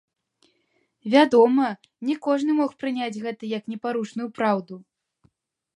Вядома, не кожны мог прыняць гэта як непарушную праўду.